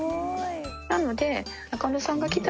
なので。